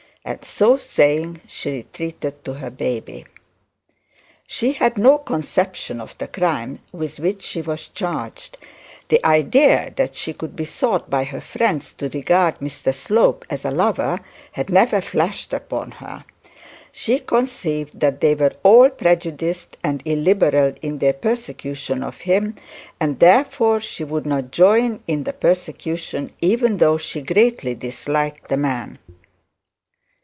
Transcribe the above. And so saying she retreated to her baby. She had no conception of the crime with which she was charged. The idea that she could be thought by her friends to regard Mr Slope as a lover, had never flashed upon her. She conceived that they were all prejudiced and illiberal in their persecution of him, and therefore she would not join in the persecution, even though she greatly disliked the man.